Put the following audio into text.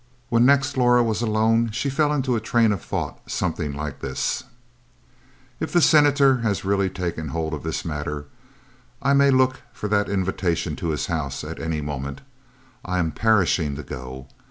When next Laura was alone, she fell into a train of thought something like this: "If the Senator has really taken hold of this matter, I may look for that invitation to his house at any moment. I am perishing to go!